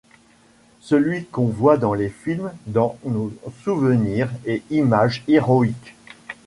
Celui qu'on voit dans les films, dans nos souvenirs et images héroïques.